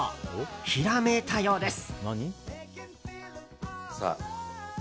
ひらめいたようです。